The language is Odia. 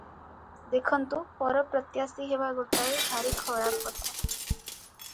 ଦେଖନ୍ତୁ ପରପ୍ରତ୍ୟାଶୀ ହେବା ଗୋଟାଏ ଭାରି ଖରାପ କଥା ।